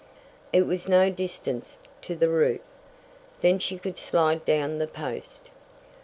It was no distance to the roof, then she could slide down the post.